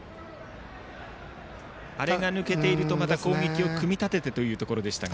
あれが抜けているとまた攻撃を組み立ててというところでしたが。